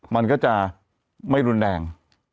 มันก็จะไม่รุนแรง